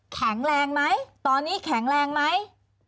แข็งแรงไหมตอนนี้แข็งแรงไหม